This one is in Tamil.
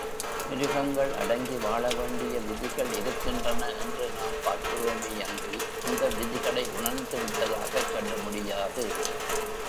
மிருகங்கள் அடங்கி வாழவேண்டிய விதிகள் இருக்கின்றன என்று நாம் பார்க்கிறோமேயன்றி, அந்த விதிகளை உணர்ந்து விட்டதாகச் சொல்ல முடியாது.